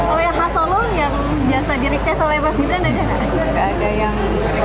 oh yang khas solo yang biasa diri kes oleh mas gibran ada nggak